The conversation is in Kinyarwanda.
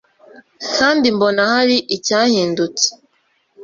kandi mbona hari icyahindutse